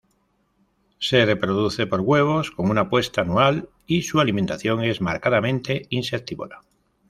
Se reproduce por huevos, con una puesta anual, y su alimentación es marcadamente insectívora.